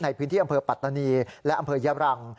ในพื้นที่อำเภอปัตตานีและอำเภอยรัง